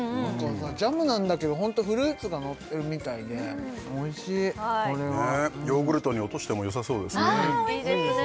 ジャムなんだけどホントフルーツがのってるみたいでおいしいこれはヨーグルトに落としてもよさそうですねいいですね